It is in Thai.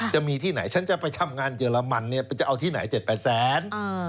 จะมีที่ไหนฉันจะไปทำงานเยอรมันจะเอาที่ไหน๗๐๐๐๐๐๘๐๐บาท